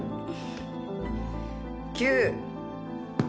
９。